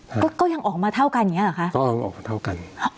ก็ก็ยังออกมาเท่ากันอย่างเงี้เหรอคะก็ออกมาเท่ากัน